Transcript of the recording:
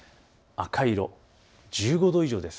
赤色、１５度以上です。